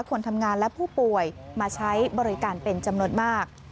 คนทำงานและผู้ป่วยมาใช้บริการเป็นจำนวนมาก